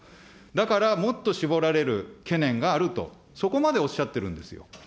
だからもっと絞られる懸念があると、そこまでおっしゃってるんですよ。